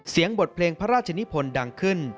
เสียงบทเพลงพระราชชานิคนดังขึ้น